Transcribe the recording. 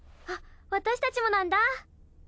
あっ私たちもなんだ。